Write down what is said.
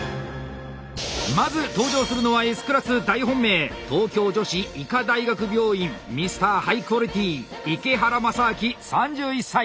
まず登場するのはＳクラス大本命東京女子医科大学病院ミスターハイクオリティー池原大烈３１歳。